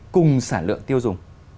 cùng sản lượng tiêu dùng